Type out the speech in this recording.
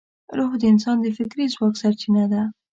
روح د انسان د فکري ځواک سرچینه ده.